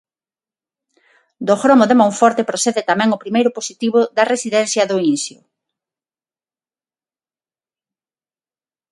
Do gromo de Monforte procede tamén o primeiro positivo da residencia do Incio.